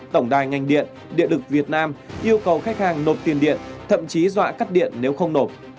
tổng đài ngành điện điện lực việt nam yêu cầu khách hàng nộp tiền điện thậm chí dọa cắt điện nếu không nộp